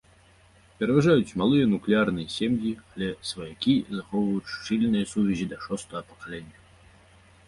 Пераважаюць малыя нуклеарныя сем'і, але сваякі захоўваюць шчыльныя сувязі да шостага пакалення.